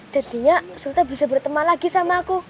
jadinya sultan bisa berteman lagi sama aku